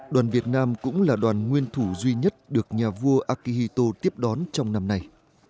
đoàn việt nam cũng là đoàn nguyên thủ duy nhất được nhà vua akihito tiếp đón trong năm nay